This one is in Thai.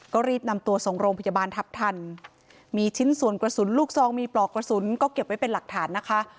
ก็รีบนำตัวส่งโรงพยาบาลทัพทันมีชิ้นส่วนกระสุนลูกซองมีปลอกกระสุนก็เก็บไว้เป็นหลักฐานนะคะ